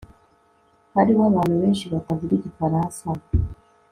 Hariho abantu benshi batavuga igifaransa